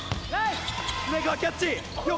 常川キャッチ。